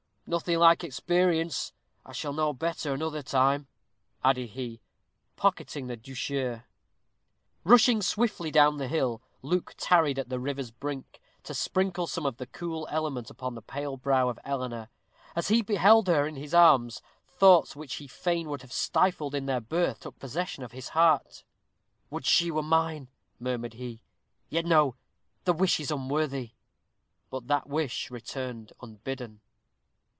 Nothing like experience I shall know better another time," added he, pocketing the douceur. Rushing swiftly down the hill, Luke tarried at the river's brink, to sprinkle some of the cool element upon the pale brow of Eleanor. As he held her in his arms, thoughts which he fain would have stifled in their birth took possession of his heart. "Would she were mine!" murmured he. "Yet no! the wish is unworthy." But that wish returned unbidden.